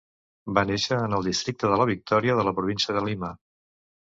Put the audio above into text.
Va néixer en el districte de la Victòria de la Província de Lima.